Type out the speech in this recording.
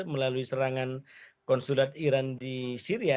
melalui serangan konsulat iran di syria